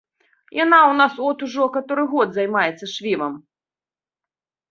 Яна ў нас от ужо каторы год займаецца швівам.